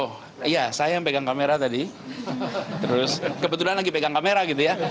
oh iya saya yang pegang kamera tadi terus kebetulan lagi pegang kamera gitu ya